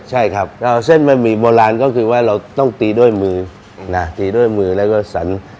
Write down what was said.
ใช่ครับเส้นบะหมี่โบราณก็คือว่าเราต้องตีด้วยมือนะตีด้วยมือแล้วก็สัน